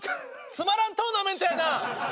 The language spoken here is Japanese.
つまらんトーナメントやな。